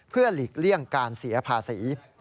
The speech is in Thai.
เพื่อหลีกเลี่ยงการเสียภาษี